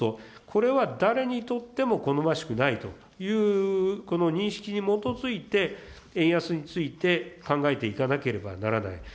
これは誰にとっても好ましくないという、この認識に基づいて、円安について考えていかなければならない。